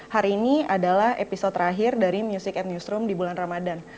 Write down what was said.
hari ini adalah episode terakhir dari music at newsroom di bulan ramadan